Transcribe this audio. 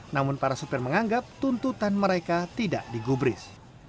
namun para sopir menganggap tuntutan mereka tidak digubris